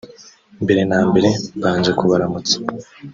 mbere na mbere mbaje kubaramutsa